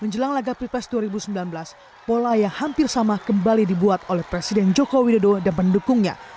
menjelang lagapripes dua ribu sembilan belas pola yang hampir sama kembali dibuat oleh presiden jokowi dodo dan mendukungnya